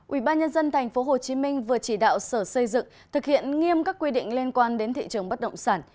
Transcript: ubnd tp hcm vừa chỉ đạo sở xây dựng thực hiện nghiêm các quy định liên quan đến thị trường bất động sản